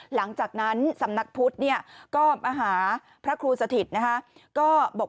หลังจากนั้นสำนักพุทธเนี่ยก็มาหาพระครูสถิตนะคะ